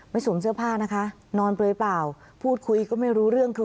สวมเสื้อผ้านะคะนอนเปลยเปล่าพูดคุยก็ไม่รู้เรื่องคือ